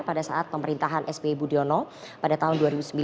pada saat pemerintahan sbi budiono pada tahun dua ribu sembilan dua ribu empat belas